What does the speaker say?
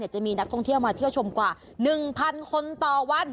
จะมีนักท่องเที่ยวมาเที่ยวชมกว่า๑๐๐คนต่อวัน